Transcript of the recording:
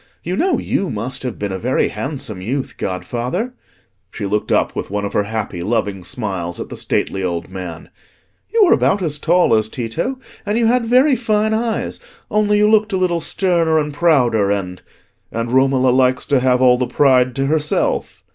You know you must have been a very handsome youth, godfather,"—she looked up with one of her happy, loving smiles at the stately old man—"you were about as tall as Tito, and you had very fine eyes; only you looked a little sterner and prouder, and—" "And Romola likes to have all the pride to herself?"